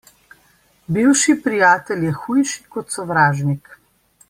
Bivši prijatelj je hujši kot sovražnik.